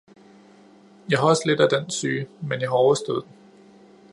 jeg har også lidt af den syge, men jeg har overstået den!